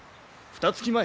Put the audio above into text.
ふたつき前！？